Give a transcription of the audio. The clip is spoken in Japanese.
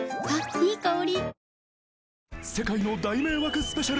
いい香り。